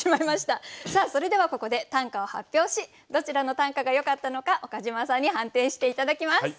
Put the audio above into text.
さあそれではここで短歌を発表しどちらの短歌がよかったのか岡島さんに判定して頂きます。